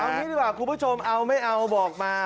เอางี้ดีกว่าคุณผู้ชมเอาไม่เอาบอกมา